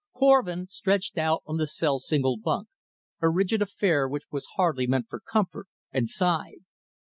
Korvin stretched out on the cell's single bunk, a rigid affair which was hardly meant for comfort, and sighed.